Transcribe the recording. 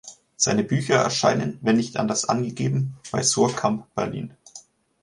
Seine Bücher erscheinen, wenn nicht anders angegeben, bei Suhrkamp, Berlin.